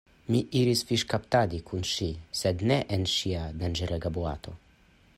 Mi iris fiŝkaptadi kun ŝi sed ne en ŝia danĝerega boato.